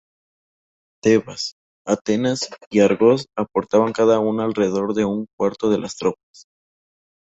Tebas, Atenas y Argos aportaban cada una alrededor de un cuarto de las tropas.